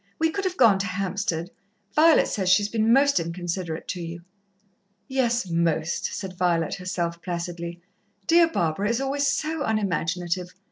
We could have gone to Hampstead. Violet says she's been most inconsiderate to you." "Yes, most," said Violet herself placidly. "Dear Barbara is always so unimaginative.